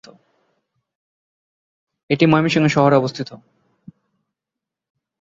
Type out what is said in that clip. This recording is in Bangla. এটি ময়মনসিংহ শহরে অবস্থিত।